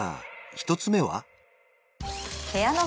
１つ目は？